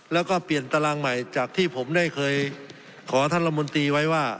แล้วก็เปลี่ยนตารางใหม่จากที่ผมได้เคยขอท่านละมนตรีไว้ว่า